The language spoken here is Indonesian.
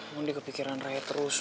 mondi kepikiran raya terus